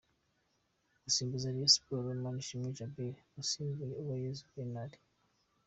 Gusimbuza Rayon Sports: Manishimwe Djabel asimbuye Uwayezu Bernard.